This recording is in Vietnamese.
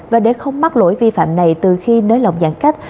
và để không mắc lỗi vi phạm này từ khi nới lỏng giãn cách